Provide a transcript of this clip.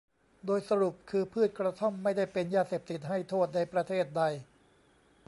โดยสรุปคือพืชกระท่อม ไม่ได้เป็นยาเสพติดให้โทษในประเทศใด